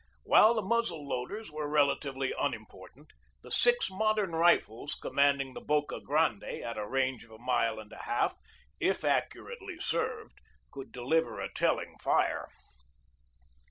While the muzzle loaders were relatively unimportant, the six modern rifles commanding the Boca Grande, at a range of a mile and a half, if accurately served, could deliver a telling fire.